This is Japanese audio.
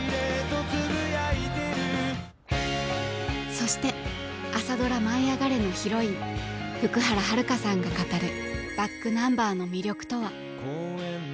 そして朝ドラ「舞いあがれ！」のヒロイン福原遥さんが語るｂａｃｋｎｕｍｂｅｒの魅力とは。